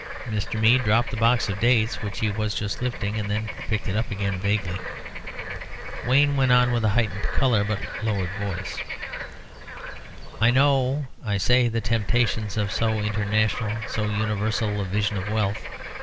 Mr. Mead dropped the box of dates which he was just lifting, and then picked it up again vaguely. Wayne went on with a heightened colour, but a lowered voice, "I know, I say, the temptations of so international, so universal a vision of wealth.